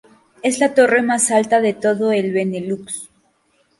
Es la torre más alta de todo el Benelux.